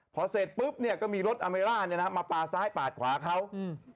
พอเสร็จปุ๊บเนี้ยก็มีรถอาเมร่าเนี้ยนะฮะมาปาดซ้ายปาดขวาเขาอืม